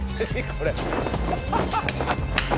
これ。